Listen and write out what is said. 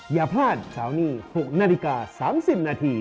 อย่าพลาดเสาร์นี้๖นาฬิกา๓๐นาที